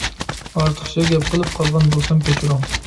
ئارتۇقچە گەپ قىلىپ قالغان بولسام كەچۈرۈڭ!